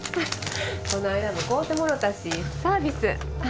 この間も買うてもろたしサービス